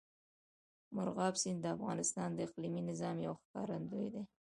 مورغاب سیند د افغانستان د اقلیمي نظام یو ښکارندوی دی.